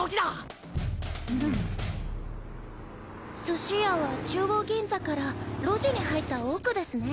スシ屋は中央銀座から路地に入った奥デスネ。